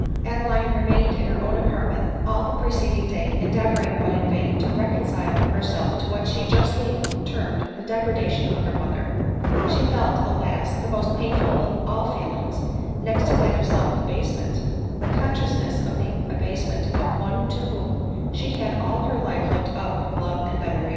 Adeline remained in her own apartment all the preceding day, endeavoring, but in vain, to reconcile herself to what she justly term ed the degradation of her mother. She felt, alas ! the most painful of all feelings, next to that of self abasement — the consciousness of the abasement of one to whom she had all her life looked up with love and veneration